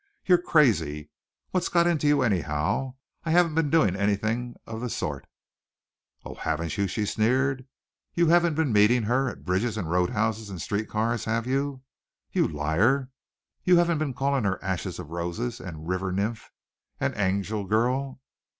"You're crazy! What's got into you, anyhow? I haven't been doing anything of the sort." "Oh, haven't you!" she sneered. "You haven't been meeting her at bridges and road houses and street cars, have you? You liar! You haven't been calling her 'Ashes of Roses' and 'River Nymph' and 'Angel Girl.'"